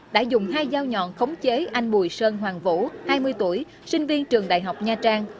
đã dùng hai dao nhọn khống chế anh bùi sơn hoàng vũ hai mươi tuổi sinh viên trường đại học nha trang